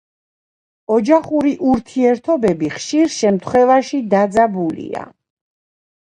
ოჯახური ურთიერთობები ხშირ შემთხვევაში დაძაბულია.